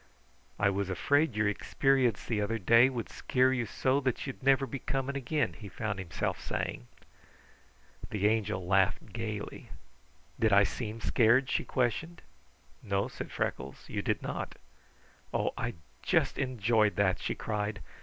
"I was afraid your ixperience the other day would scare you so that you'd never be coming again," he found himself saying. The Angel laughed gaily. "Did I seem scared?" she questioned. "No," said Freckles, "you did not." "Oh, I just enjoyed that," she cried.